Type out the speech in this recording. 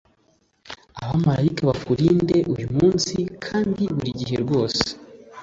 Abamarayika bakurinde uyu munsi kandi burigihe rwose